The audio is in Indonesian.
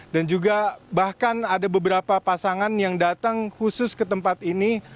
dan juga bahkan ada beberapa pasangan yang datang khusus ke tempat ini